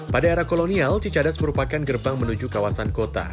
pada era kolonial cicadas merupakan gerbang menuju kawasan kota